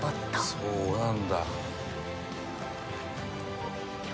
「そうなんだ」